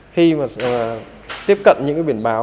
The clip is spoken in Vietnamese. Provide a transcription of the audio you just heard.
khi tiếp cận những biển báo